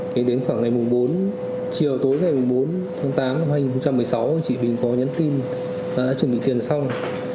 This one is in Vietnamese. thì đến khoảng ngày bốn chiều tối ngày bốn tháng tám năm hai nghìn một mươi sáu chị bình có nhắn tin đã chuẩn bị tiền xong